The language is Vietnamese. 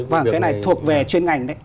và cái này thuộc về chuyên ngành đấy